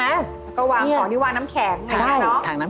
แล้วก็วางของนี่วางน้ำแข็งใช่ไหม